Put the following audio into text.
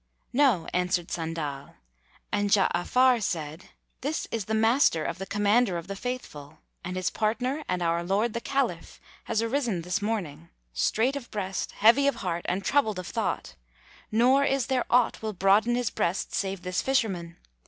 "No," answered Sandal and Ja'afar said, "This is the Master of the Commander of the Faithful, and his partner and our lord the Caliph has arisen this morning, strait of breast, heavy of heart and troubled of thought, nor is there aught will broaden his breast save this fisherman.